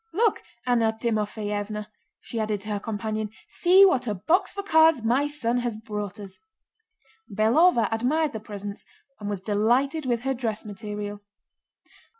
"Look, Anna Timoféevna," she added to her companion, "see what a box for cards my son has brought us!" Belóva admired the presents and was delighted with her dress material.